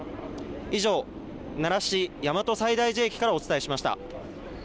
以上、奈良市大和西大寺駅からお伝えしました。